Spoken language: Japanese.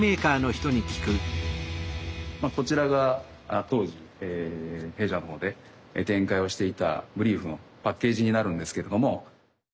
こちらが当時弊社の方で展開をしていたブリーフのパッケージになるんですけれども。